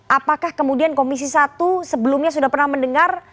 apakah kemudian komisi satu sebelumnya sudah pernah mendengar